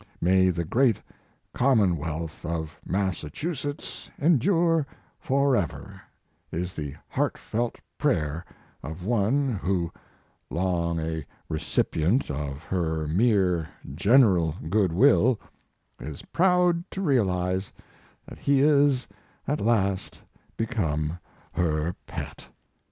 May the great Commonwealth of Massachusetts endure forever, is the heartfelt prayer of one who, long a recipient of her mere general good will, is proud to realize that he is t last become her pet."